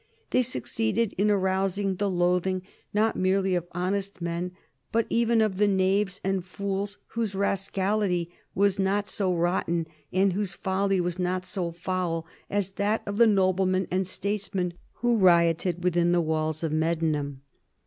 They succeeded in arousing the loathing not merely of honest men, but even of the knaves and fools whose rascality was not so rotten and whose folly was not so foul as that of the noblemen and statesmen who rioted within the walls of Medmenham.